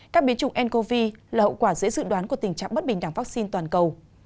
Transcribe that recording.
các biến chủng ncov là hậu quả dễ dự đoán của tình trạng bất bình đẳng vaccine toàn cầu